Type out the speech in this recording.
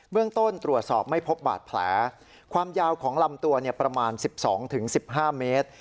เรื่องต้นตรวจสอบไม่พบบาดแผลความยาวของลำตัวประมาณ๑๒๑๕เมตร